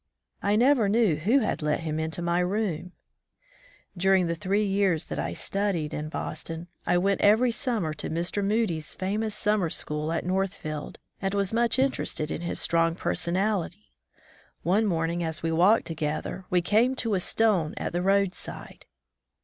I never knew who had let him into my room ! During the three years that I studied in 73 From the Deep Woods to Cwilizalum Boston, I went every summer to Mr. Moody's famous summer school at Northfield, and was much interested in his strong personality. One morning as we walked together, we came to a stone at the roadside.